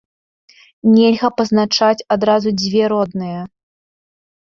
Нельга пазначаць адразу дзве родныя.